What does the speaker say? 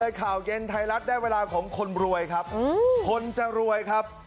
ข่าวเย็นไทยรัฐได้เวลาของคนรวยครับคนจะรวยครับ